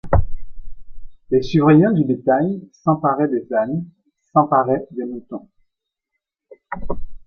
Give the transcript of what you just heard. Les surveillants du bétail s'emparaient des ânes, s'emparaient des moutons.